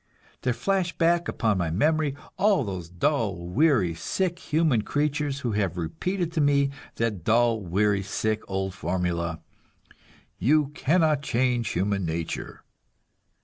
There flash back upon my memory all those dull, weary, sick human creatures, who have repeated to me that dull, weary, sick old formula, "You cannot change human nature."